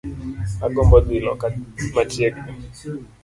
Agombo dhii loka machiegni